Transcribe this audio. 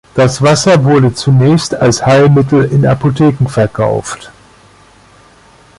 Das Wasser wurde zunächst als Heilmittel in Apotheken verkauft.